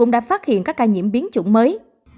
đã phát hiện các ca nhiễm biến chủng mới